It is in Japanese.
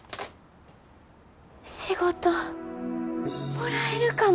仕事もらえるかも。